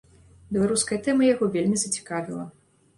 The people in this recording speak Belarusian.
Беларуская тэма яго вельмі зацікавіла.